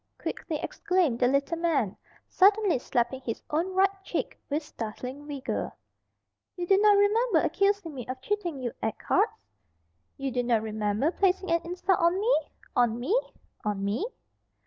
quickly exclaimed the little man, suddenly slapping his own right cheek with startling vigour. "You do not remember accusing me of cheating you at cards?" "You do not remember placing an insult on me! on me! on me?"